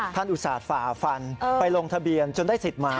อุตส่าห์ฝ่าฟันไปลงทะเบียนจนได้สิทธิ์มา